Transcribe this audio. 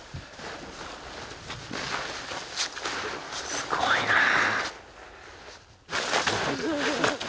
すごいなあ。